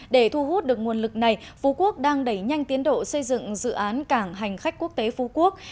để thu hút được nguồn lực này phú quốc đang đẩy nhanh tiến độ xây dựng dự án cảng hành khách quốc tế phú quốc